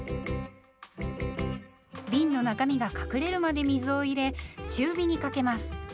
びんの中身が隠れるまで水を入れ中火にかけます。